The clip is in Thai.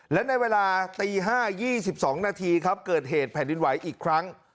และในเวลาตี๕๒๒นาทีครับเกิดเหตุแผ่นดินไหวอีกครั้ง